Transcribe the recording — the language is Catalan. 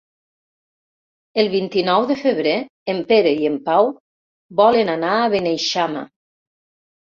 El vint-i-nou de febrer en Pere i en Pau volen anar a Beneixama.